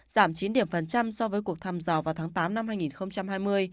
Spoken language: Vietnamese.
giảm chín điểm phần trăm so với cuộc thăm dò vào tháng tám năm hai nghìn hai mươi